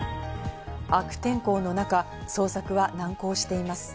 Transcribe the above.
悪天候の中、捜索は難航しています。